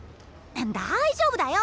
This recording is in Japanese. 大丈夫だよ。